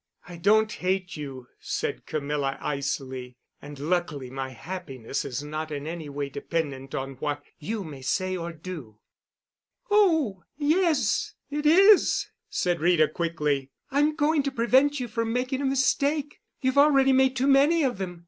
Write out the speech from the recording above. "I don't hate you," said Camilla icily, "and luckily my happiness is not in any way dependent on what you may say or do." "Oh, yes, it is," said Rita quickly. "I'm going to prevent you from making a mistake. You've already made too many of them.